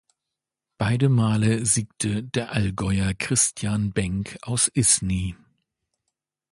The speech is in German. Beide male siegte der Allgäuer Christian Benk aus Isny.